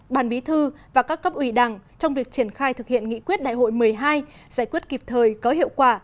bàn bí thư và các cấp ủy đẳng trong việc triển khai thực hiện nghị quyết đại hội một mươi hai giải quyết kịp thời có hiệu quả